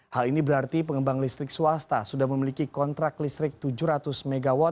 hal ini berarti pengembang listrik swasta sudah memiliki kontrak listrik tujuh ratus mw